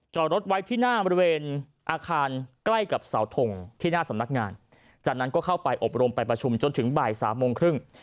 จอดรถไว้ที่หน้าบริเวณอาคารใกล้กับเสาทงที่หน้าสำนักงานจากนั้นก็เข้าไปอบรมไปประชุมจนถึงบ่ายสามโมงครึ่ง